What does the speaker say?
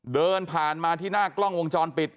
เดินผ่านมาที่หน้ากล้องวงจรปิด